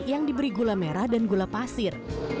yang diberi gula merah dan gula pasir